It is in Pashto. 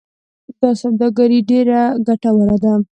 دا سوداګري ډیره ګټوره ده.